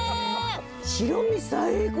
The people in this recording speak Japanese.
白身最高！